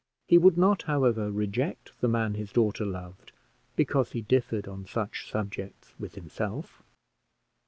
He would not, however, reject the man his daughter loved because he differed on such subjects with himself.